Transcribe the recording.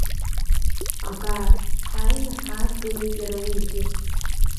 Абар, ҳааины ҳаадгылеит иара уигьы.